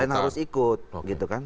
pan harus ikut gitu kan